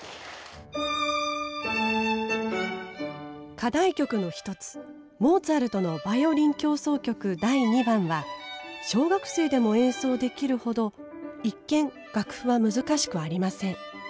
課題曲の一つモーツァルトの「バイオリン協奏曲第２番」は小学生でも演奏できるほど一見楽譜は難しくありません。